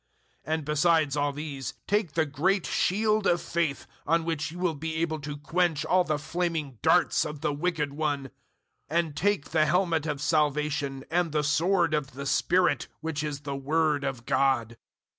006:016 And besides all these take the great shield of faith, on which you will be able to quench all the flaming darts of the Wicked one; 006:017 and take the helmet of salvation, and the sword of the Spirit which is the word of God.